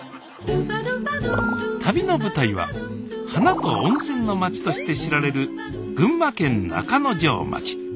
旅の舞台は花と温泉の町として知られる群馬県中之条町。